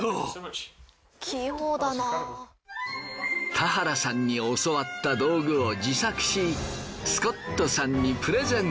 田原さんに教わった道具を自作しスコットさんにプレゼント。